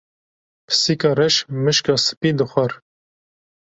Pisîka reş mişka spî dixwar.